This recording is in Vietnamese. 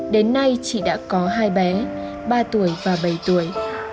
đến nay chị đã có hai bé ba tuổi và bảy tuổi